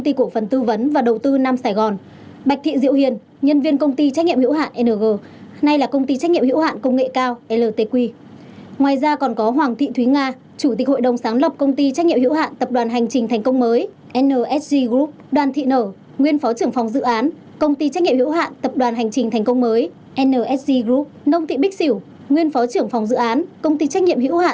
tập đoàn hành trình thành công mới nsg group nông thị bích xỉu nguyên phó trưởng phòng dự án công ty trách nhiệm hữu hạn tập đoàn hành trình thành công mới nsg group phùng thị dương nguyên trưởng phòng dự án công ty trách nhiệm hữu hạn tập đoàn hành trình thành công mới nsg group và hoàng ngọc hồng phúc nguyên phó giám đốc ban quan hệ khách hàng công ty trách nhiệm hữu hạn tập đoàn hành trình thành công mới nsg group